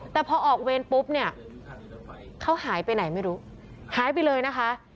แต่พอออกเวรปุ๊บเนี่ยเขาหายไปไหนไม่รู้หายไปเลยนะคะ